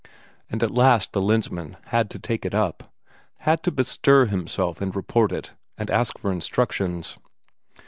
And at last the Lensmand had to take it up; had to bestir himself and report it, and ask for instructions.